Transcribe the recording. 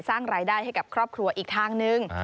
สร้างรายได้ให้กับครอบครัวอีกทางนึง